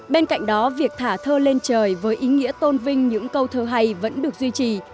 bên cạnh đó việc thả thơ lên trời với ý nghĩa tôn vinh những câu thơ hay vẫn được duy trì